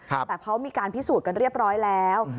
แต่เขามีการพิสูจน์กันเรียบร้อยแล้ว